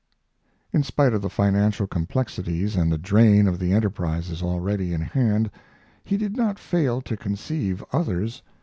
In spite of the financial complexities and the drain of the enterprises already in hand he did not fail to conceive others.